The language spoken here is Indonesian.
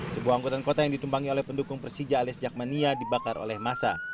sebuah angkutan kota yang ditumpangi oleh pendukung persija alias jakmania dibakar oleh masa